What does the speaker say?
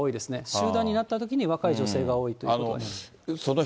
集団になったときに若い女性が多いということです。